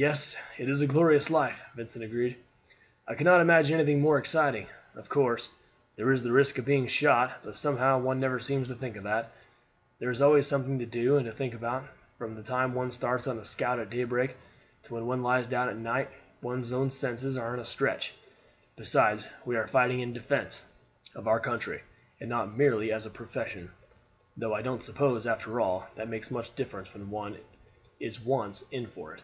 "Yes, it is a glorious life!" Vincent agreed. "I cannot imagine anything more exciting. Of course, there is the risk of being shot, but somehow one never seems to think of that. There is always something to do and to think about; from the time one starts on a scout at daybreak to that when one lies down at night one's senses are on the stretch. Besides, we are fighting in defense of our country and not merely as a profession, though I don't suppose, after all, that makes much difference when one is once in for it.